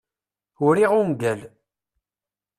Uriɣ ungal.